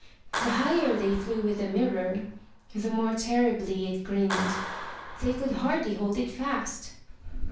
The higher they flew with the mirror, the more terribly it grinned; they could hardly hold it fast.